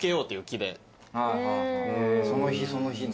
その日その日に。